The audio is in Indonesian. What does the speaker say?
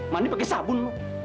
mandi pake sabun lo